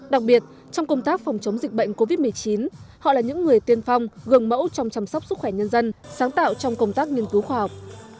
đặc biệt trong công tác phòng chống dịch bệnh covid một mươi chín họ là những người tiên phong gần mẫu trong chăm sóc sức khỏe nhân dân sáng tạo trong công tác nghiên cứu khoa học